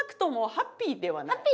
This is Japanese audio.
ハッピーではないです。